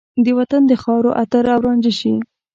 د وطن د خاورو عطر او رانجه شي